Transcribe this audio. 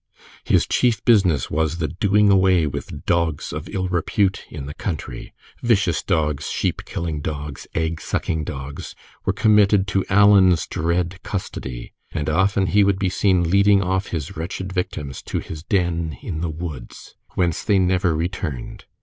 His chief business was the doing away with dogs of ill repute in the country; vicious dogs, sheep killing dogs, egg sucking dogs, were committed to Alan's dread custody, and often he would be seen leading off his wretched victims to his den in the woods, whence they never returned.